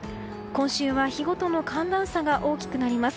今週は日ごとの寒暖差が大きくなります。